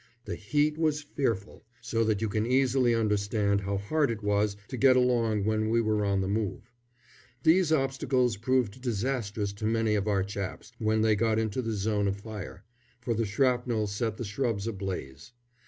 The heat was fearful, so that you can easily understand how hard it was to get along when we were on the move. These obstacles proved disastrous to many of our chaps when they got into the zone of fire, for the shrapnel set the shrubs ablaze.